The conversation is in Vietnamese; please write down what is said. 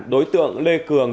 đối tượng lê cường